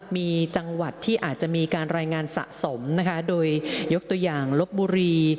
มีจังหวัดที่อาจจะมีการรายงานสะสมนะคะโดยยกตัวอย่างลบบุรี